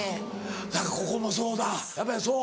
だからここもそうだやっぱりそう？